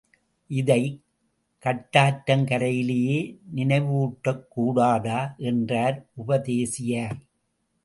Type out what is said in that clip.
இதைக் காட்டாற்றங்கரையிலேயே நினைவூட்டக்கூடாதா? என்றார் உபதேசியார்.